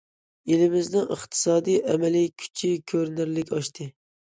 ئېلىمىزنىڭ ئىقتىسادىي ئەمەلىي كۈچى كۆرۈنەرلىك ئاشتى.